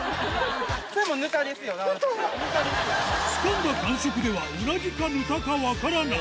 つかんだ感触ではウナギかヌタか分からない